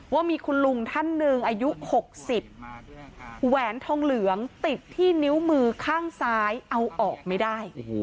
ว่ามีคุณลุงท่านหนึ่งอายุ๖๐แหวนทองเหลืองติดที่นิ้วมือข้างซ้ายเอาออกไม่ได้